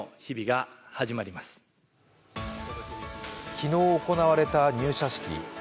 昨日行われた入社式。